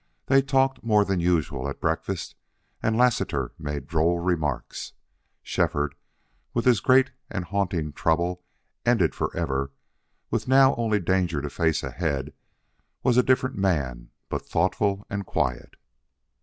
They talked more than usual at breakfast, and Lassiter made droll remarks. Shefford, with his great and haunting trouble ended for ever, with now only danger to face ahead, was a different man, but thoughtful and quiet.